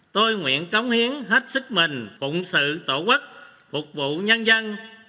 tôi nguyện cống hiến hết sức mình phụng sự tổ quốc phục vụ nhân dân